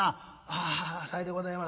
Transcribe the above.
「ああさいでございます。